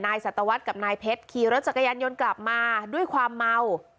สัตวรรษกับนายเพชรขี่รถจักรยานยนต์กลับมาด้วยความเมา